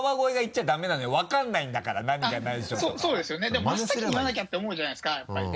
そうですよねでも真っ先に言わなきゃって思うじゃないですかやっぱりね。